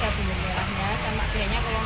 dan ini kalau bumbunya kan mungkin hampir sama